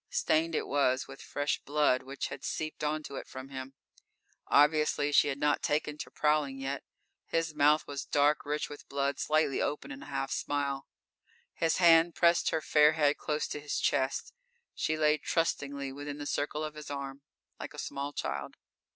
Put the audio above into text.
Stained it was with fresh blood which had seeped onto it from him. Obviously she had not taken to prowling yet. His mouth was dark, rich with blood, slightly open in a half smile. His hand pressed her fair head close to his chest. She lay trustingly within the circle of his arm, like a small child.